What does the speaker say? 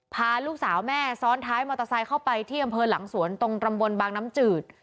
พาลูกสาวแม่ซ้อนท้ายมอเตอร์ไซค์เข้าไปที่อำเภอหลังสวนตรงตำบลบางน้ำจืด